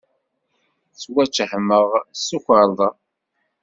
Ttwattehmeɣ s tukerḍsa.